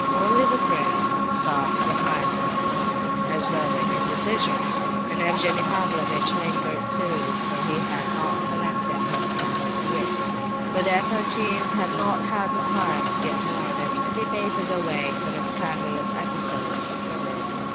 Only the prince stopped behind for a moment, as though in indecision; and Evgenie Pavlovitch lingered too, for he had not collected his scattered wits. But the Epanchins had not had time to get more than twenty paces away when a scandalous episode occurred.